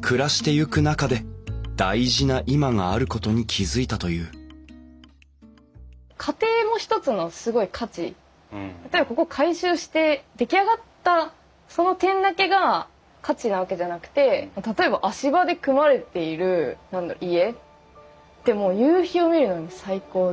暮らしていく中で大事な今があることに気付いたという例えばここを改修して出来上がったその点だけが価値なわけじゃなくて例えば足場で組まれている家ってもう夕日を見るのに最高で。